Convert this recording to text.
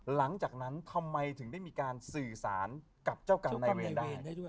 หลังจากนั้นทำไมถึงได้มีการสื่อสารกับเจ้ากรรมในเวรได้